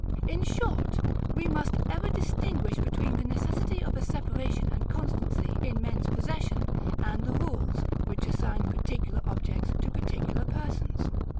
In short, we must ever distinguish between the necessity of a separation and constancy in men's possession, and the rules, which assign particular objects to particular persons.